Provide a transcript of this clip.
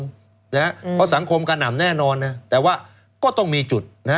เพราะสังคมกระหน่ำแน่นอนนะแต่ว่าก็ต้องมีจุด